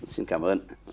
xin cảm ơn